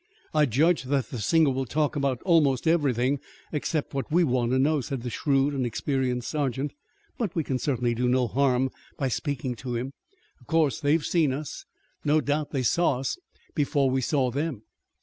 "I judge that the singer will talk about almost everything except what we want to know," said the shrewd and experienced sergeant, "but we can certainly do no harm by speaking to him. Of course they have seen us. No doubt they saw us before we saw them."